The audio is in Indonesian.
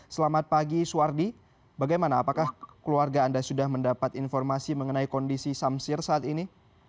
selamat pagi suardi bagaimana apakah keluarga anda sudah mendapat informasi mengenai kondisi samsir saat ini